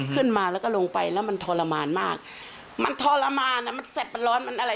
ขึ้นมาแล้วก็ลงไปแล้วมันทรมานมากมันทรมานอ่ะมันแสบมันร้อนมันอะไร